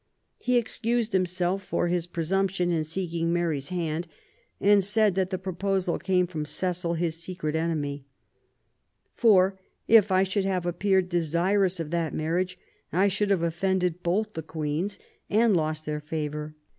He excused himself for his presumption in seeking Mary's hand and said that the proposal came from Cecil, his secret enemy, forif I should have appeared desirous of that marriage I should have offended both the Queens and lost their favour